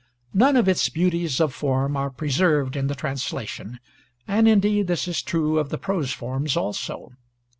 None of its beauties of form are preserved in the translation; and indeed, this is true of the prose forms also.